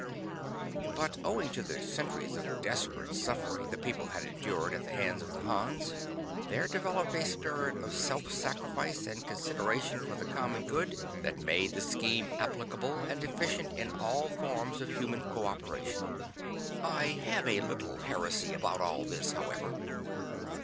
But owing to the centuries of desperate suffering the people had endured at the hands of the Hans, there developed a spirit of self sacrifice and consideration for the common good that made the scheme applicable and efficient in all forms of human co operation. I have a little heresy about all this, however.